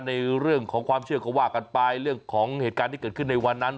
ในเรื่องของความเชื่อก็ว่ากันไปเรื่องของเหตุการณ์ที่เกิดขึ้นในวันนั้น